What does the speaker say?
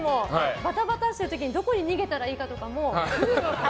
バタバタしてる時にどこに逃げたらいいかとかも。